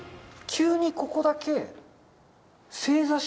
急にここだけ。